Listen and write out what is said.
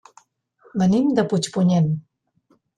Venim de Puigpunyent.